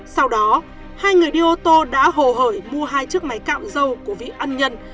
sau đó hai người đi ô tô đã hồ hởi mua hai chiếc máy cạo dâu của vĩ ăn nhân